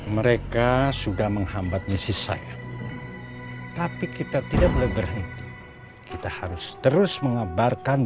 mereka sudah menghambat misi saya tapi kita tidak boleh berhenti kita harus terus mengabarkan